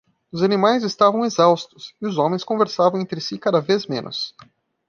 Os animais estavam exaustos? e os homens conversavam entre si cada vez menos.